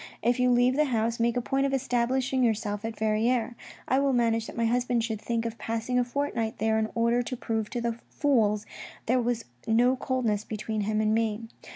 If you leave the house, make a point of establishing yourself at Verrieres ; I will manage that my husband should think of passing a fortnight there in order to prove to the fools there was no coldness between him and me.